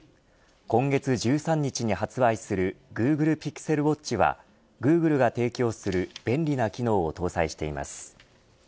今月１３日に発売するＧｏｏｇｌｅＰｉｘｅｌＷａｔｃｈはグーグルが提供する便利な機能を搭載しています。